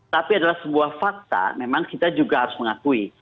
tapi adalah sebuah fakta memang kita juga harus mengakui